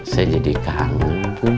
saya jadi kangen kum